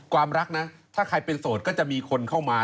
ความรักนะถ้าใครเป็นโสดก็จะมีคนเข้ามา